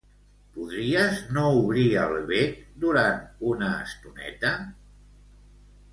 Podries no obrir el bec durant una estoneta?